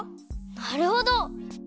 なるほど！